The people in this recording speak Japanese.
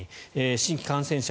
新規感染者数